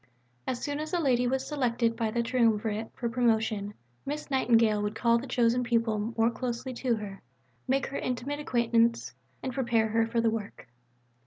As soon as a lady was selected by the triumvirate for promotion, Miss Nightingale would call the chosen pupil more closely to her, make her intimate acquaintance and prepare her for the work.